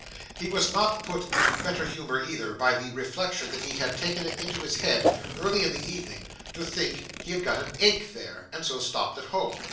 He was not put into better humour either, by the reflection that he had taken it into his head, early in the evening, to think he had got an ache there, and so stopped at home.